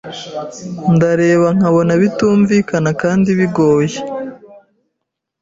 Ndareba nkabona bitumvikana kandi bigoye